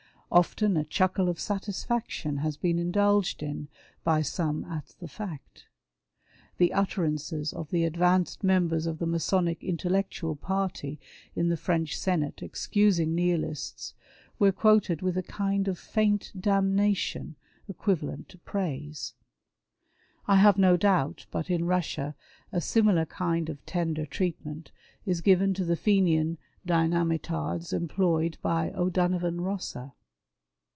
Often a chuckle of satisfaction has been indulged in by some at the fiict. The utterances of the *' advanced " members of the Masonic Intellectual party in the French Senate excusing Nihilists, were quoted with a kind of " faint damnation " equivalent to praise. I have no doubt but in Russia a similar kind of tender treatment is given to the Fenian dynamitards employed by O'Donovan Rossa.